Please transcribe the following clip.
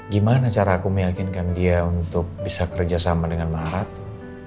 gimana cara aku meyakinkan dia untuk bisa kerja sama dengan maharatu